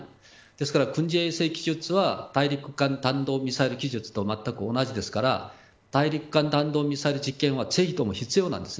ですから軍事衛星技術は大陸間弾道ミサイル技術と全く同じですから大陸間弾道ミサイル実験はぜひとも必要なんです